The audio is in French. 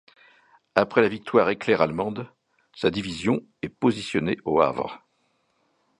Après la victoire éclair allemande, sa division est positionnée au Havre.